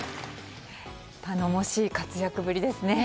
頼もしい活躍ぶりですね。